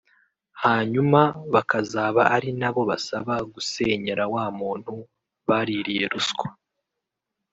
hanyuma bakazaba ari na bo basaba gusenyera wa muntu baririye ruswa